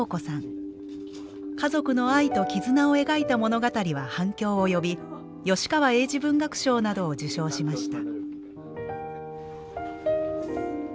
家族の愛と絆を描いた物語は反響を呼び吉川英治文学賞などを受賞しました。